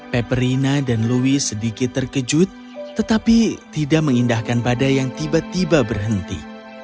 peperina dan louis sedikit terkejut tetapi tidak mengindahkan badai yang tiba tiba berhenti